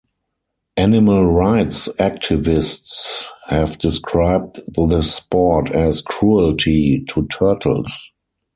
Animal rights activists have described the sport as "cruelty" to turtles.